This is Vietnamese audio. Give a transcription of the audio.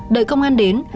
đợi công an đến